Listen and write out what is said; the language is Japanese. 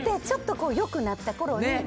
ちょっとよくなった頃に。